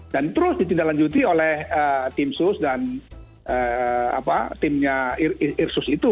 dan terus ditindaklanjuti oleh tim sus dan timnya irsus itu